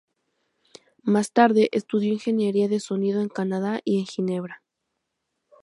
Más tarde, estudió ingeniería de sonido en Canadá y en Ginebra.